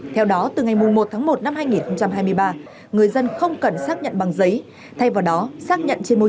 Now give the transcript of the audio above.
theo đó từ ngày một một hai nghìn hai mươi ba người dân không cần xác nhận băng giấy thay vào đó xác nhận trên môi